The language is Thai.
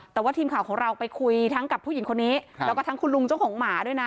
แต่ว่าทีมข่าวของเราไปคุยทั้งกับผู้หญิงคนนี้แล้วก็ทั้งคุณลุงเจ้าของหมาด้วยนะ